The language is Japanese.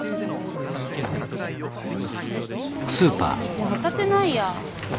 ねっホタテないや。